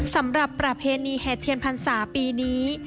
สำหรับประเภทนีแห่เทียนพันศาปีนี้